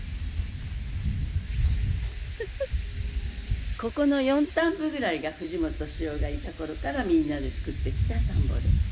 「フフ」「ここの４反歩ぐらいが藤本敏夫がいた頃からみんなで作ってきた田んぼです。